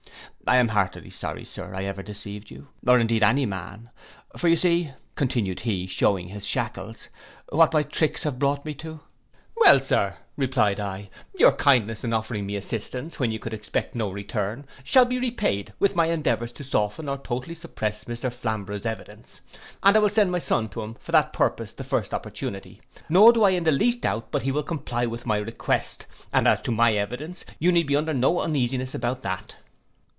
I am heartily sorry, Sir, I ever deceived you, or indeed any man; for you see,' continued he, shewing his shackles, 'what my tricks have brought me to.' 'Well, sir,' replied I, 'your kindness in offering me assistance, when you could expect no return, shall be repaid with my endeavours to soften or totally suppress Mr Flamborough's evidence, and I will send my son to him for that purpose the first opportunity; nor do I in the least doubt but he will comply with my request, and as to my evidence, you need be under no uneasiness about that.